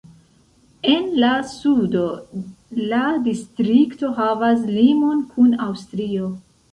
En la sudo la distrikto havas limon kun Aŭstrio.